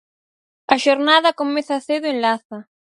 A xornada comeza cedo en Laza.